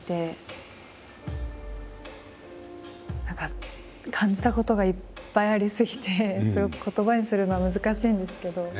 何か感じたことがいっぱいあり過ぎてすごく言葉にするのは難しいんですけど。